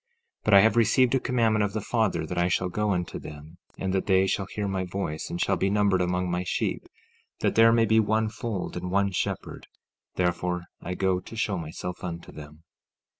16:3 But I have received a commandment of the Father that I shall go unto them, and that they shall hear my voice, and shall be numbered among my sheep, that there may be one fold and one shepherd; therefore I go to show myself unto them.